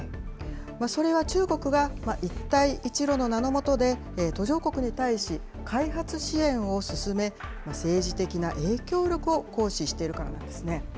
それは中国が一帯一路の名の下で、途上国に対し、開発支援を進め、政治的な影響力を行使しているからなんですね。